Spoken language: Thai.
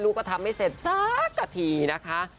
ก็ทำไม่เสร็จสักทีนะคะ